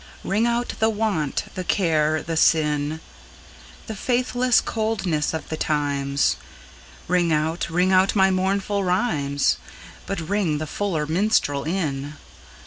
Ring out the want, the care the sin, The faithless coldness of the times; Ring out, ring out my mournful rhymes, But ring the fuller minstrel in.